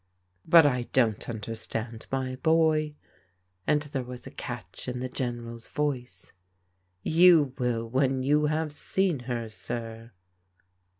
" But I don't understand, my boy," and there was a catch in the General's voice. " You will when you have seen her, sir."